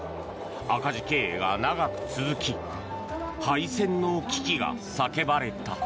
赤字経営が長く続き廃線の危機が叫ばれた。